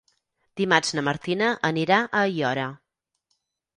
Dimarts na Martina anirà a Aiora.